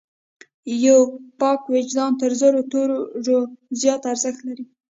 یو پاک وجدان تر زرو تورو زیات ارزښت لري.